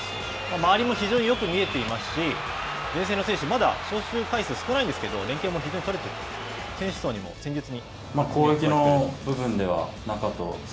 周りも非常によく見えていますし、前線の選手、まだ招集回数が少ないんですけど、連係も非常に取れている、選手層にも、戦術に。